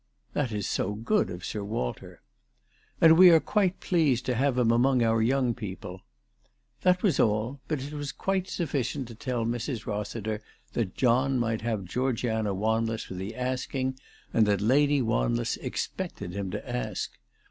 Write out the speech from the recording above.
" That is so good of Sir Walter." " And we are quite pleased to have him among our young people." That was all, but it was quite suffi cient to tell Mrs. Rossiter that John might have Geor giana Wanless for the asking, and that Lady Wanless expected him to ask.